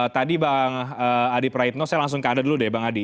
tadi bang adi praitno saya langsung ke anda dulu deh bang adi